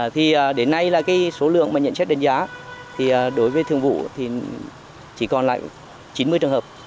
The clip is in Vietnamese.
thì đến nay là số lượng nhận xét đánh giá đối với thường vụ thì chỉ còn lại chín mươi trường hợp